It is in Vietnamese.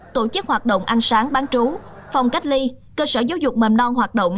tổ chức hoạt động ăn sáng bán trú phòng cách ly cơ sở giáo dục mầm non hoạt động